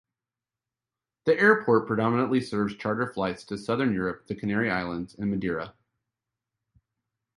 The airport predominantly serves charter flights to southern Europe, the Canary Islands and Madeira.